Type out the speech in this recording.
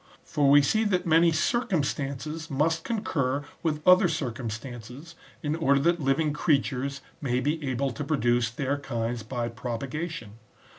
For we see that many circumstances must concur with other cir cumstances, in order that living creatures may be able to pro duce their kinds by propagation.